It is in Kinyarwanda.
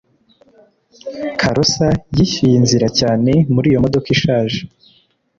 kalosa yishyuye inzira cyane kuri iyo modoka ishaje